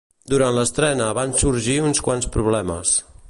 Durant l'estrena van sorgir uns quants problemes.